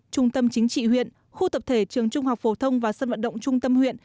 trung tâm chính trị huyện khu tập thể trường trung học phổ thông và sân vận động trung tâm huyện